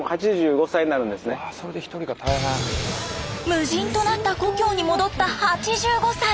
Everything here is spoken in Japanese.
無人となった故郷に戻った８５歳。